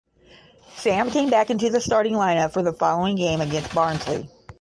Sam came back into the starting lineup for the following game against Barnsley.